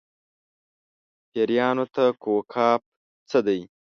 پېریانو ته کوه قاف څه دي.